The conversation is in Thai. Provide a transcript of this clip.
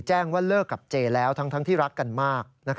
แจ้งว่าเลิกกับเจแล้วทั้งที่รักกันมาก